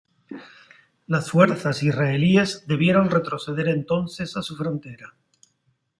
Las fuerzas israelíes debieron retroceder entonces a su frontera.